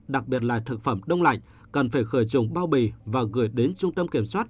đặc biệt là thực phẩm đông lạnh cần phải khởi trùng bao bì và gửi đến trung tâm kiểm soát